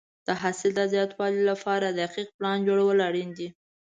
د حاصل د زیاتوالي لپاره دقیق پلان جوړول اړین دي.